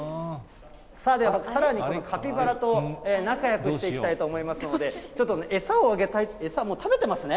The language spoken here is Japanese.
さあでは、さらにこのカピバラと仲よくしていきたいと思いますので、ちょっと餌をあげたい、餌、もう食べてますね。